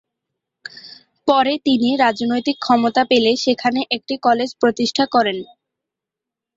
পরে তিনি রাজনৈতিক ক্ষমতা পেলে সেখানে একটি কলেজ প্রতিষ্ঠা করেন।